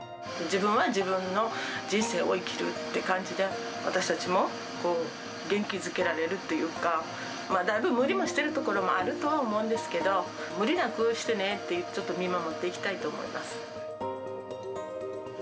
自分は自分の人生を生きるって感じで、私たちも元気づけられるっていうか、だいぶ無理もしてるところもあるとは思うんですけど、無理なくしてねって、ちょっと見守っていきたいと思います。